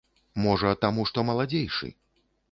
Можа, таму што маладзейшы.